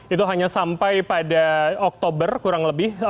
itu hanya sampai pada oktober kurang lebih